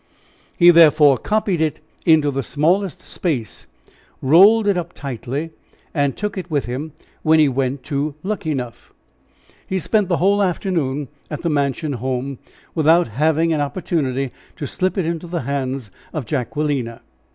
He therefore copied it into the smallest space, rolled it up tightly, and took it with him when he went to Luckenough. He spent the whole afternoon at the mansion house, without having an opportunity to slip it into the hands of Jacquelina.